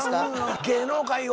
芸能界を？